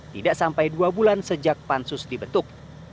tidak sampai dua bulan sejak pansus dibentuk